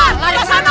lari ke sana